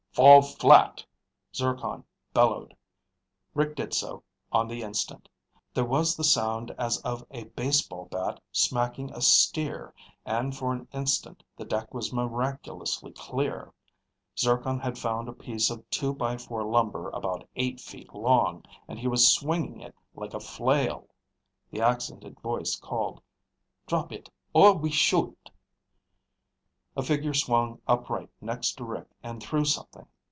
"Fall flat!" Zircon bellowed. Rick did so, on the instant. There was the sound as of a baseball bat smacking a steer and for an instant the deck was miraculously clear. Zircon had found a piece of two by four lumber about eight feet long, and he was swinging it like a flail. The accented voice called, "Drop it or we shoot!" A figure swung upright next to Rick and threw something.